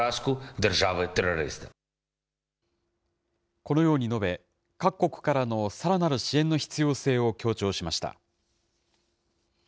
このように述べ、各国からのさらなる支援の必要性を強調しました。